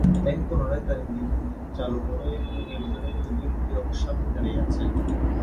Tank পুনরায় তার engine চালু করে ও এগোতে থাকে যদিও লোকটি তখনও সামনে দাড়িয়ে ছিলেন।